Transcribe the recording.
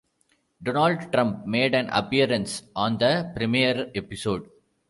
Donald Trump made an appearance on the premiere episode.